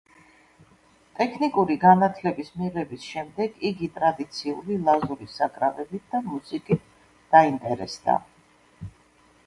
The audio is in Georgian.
ტექნიკური განათლების მიღების შემდეგ იგი ტრადიციული ლაზური საკრავებით და მუსიკით დაინტერესდა.